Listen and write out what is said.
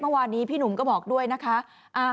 เมื่อวานนี้พี่หนุ่มก็บอกด้วยนะคะ